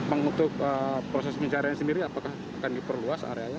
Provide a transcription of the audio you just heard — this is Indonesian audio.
untuk proses pencarian sendiri apakah akan diperluas area nya